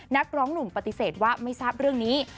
นักร้องหนุ่มปฏิเสธว่าไม่ทราบเรื่องนี้